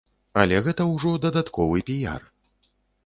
Але гэта ўжо дадатковы піяр.